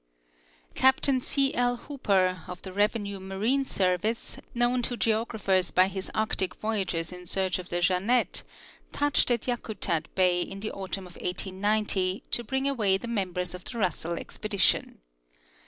Captain C. L. Hooper, of the revenue marine service, known to geographers by his arctic voyages in search of the Jeannette, touched at Yakutat bay in the autumn of 1890 to bring away the members of the Russell expedition.